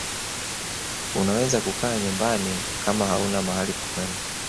unaweza kukaa nyumbani kama hauna mahali pakwenda